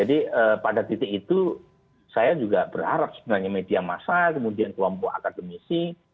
jadi pada titik itu saya juga berharap sebenarnya media massa kemudian kelompok akademisi